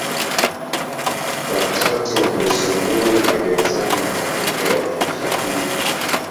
watatu wa mbunsungulu aliozaa na mwanamke wa kikaguru